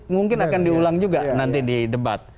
mungkin akan diulang juga nanti di debat